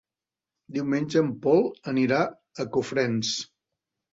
Diumenge en Pol anirà a Cofrents.